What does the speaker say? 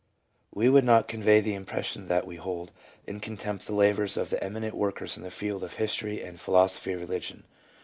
We would not convey the impression that we hold in con tempt the labors of the eminent workers in the field of the history and philosophy of Religion.